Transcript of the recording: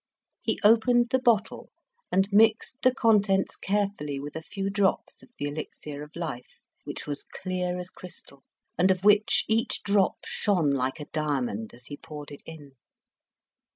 He opened the bottle, and mixed the contents carefully with a few drops of the elixir of life, which was clear as crystal, and of which each drop shone like a diamond as he poured it in.